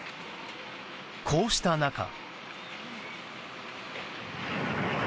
こうした中。